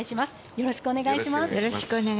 よろしくお願いします。